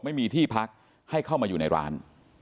ไม่มีที่พักให้เข้ามาอยู่ในร้าน